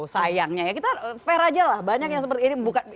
sayangnya ya kita fair aja lah banyak yang seperti ini